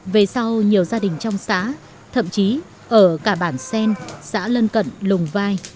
về sau nhiều gia đình trong xã thậm chí ở cả bản sen xã lân cận lùng vai